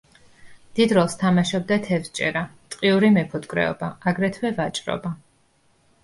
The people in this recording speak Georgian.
დიდ როლს თამაშობდა თევზჭერა, ტყიური მეფუტკრეობა, აგრეთვე ვაჭრობა.